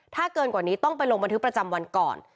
ถ้าเกินกว่านี้ต้องไปลงบันทึกประจำวันก่อน